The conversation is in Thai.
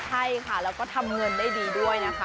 ใช่ค่ะแล้วก็ทำเงินได้ดีด้วยนะคะ